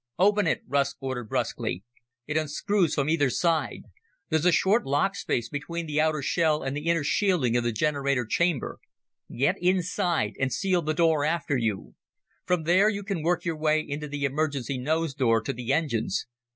"Open it," Russ ordered brusquely. "It unscrews from either side. There's a short lock space between the outer shell and the inner shielding of the generator chamber. Get inside and seal the door after you. From there you can work your way into the emergency nose door to the engines.